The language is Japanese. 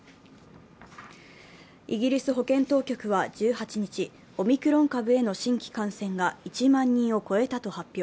イギリス保健当局は１８日、オミクロン株への新規感染が１万人を超えたと発表。